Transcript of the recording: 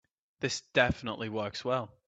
This definitely works well.